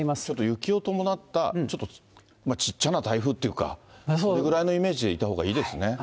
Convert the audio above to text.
ちょっと雪を伴った、ちょっとちっちゃな台風というか、それぐらいのイメージでいたほうがいいですね。